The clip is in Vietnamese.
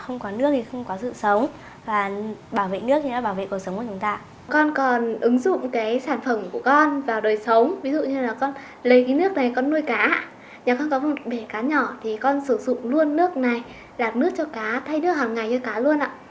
nhà con có một bể cá nhỏ thì con sử dụng luôn nước này đặt nước cho cá thay nước hằng ngày cho cá luôn ạ